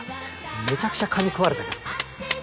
めちゃくちゃ蚊にくわれたけど。